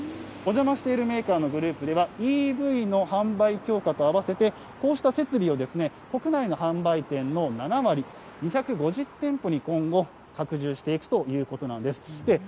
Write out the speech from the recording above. お邪魔しているメーカーのグループでは、ＥＶの販売強化と合わせて、こうした設備を国内の販売店の７割、２５０店舗に今後、拡充していくということなんです。